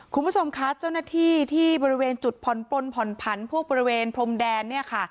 คุณผู้ชมคะเจ้าหน้าที่ที่บริเวณจุดผ่อนปลนผ่อนผันพวกบริเวณพรมแดนเนี่ยค่ะ